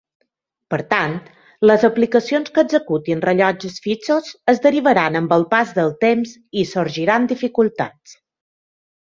Per tant, les aplicacions que executin rellotges fixos es derivaran amb el pas del temps i sorgiran dificultats.